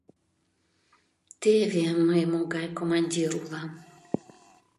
Теве мый могай командир улам...